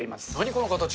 この形。